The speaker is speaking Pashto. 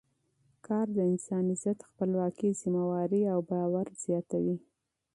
کار د انسان عزت، خپلواکي، مسؤلیت او اعتماد زیاتوي.